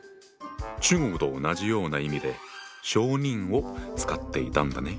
中国と同じような意味で小人を使っていたんだね。